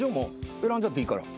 選んじゃっていいから。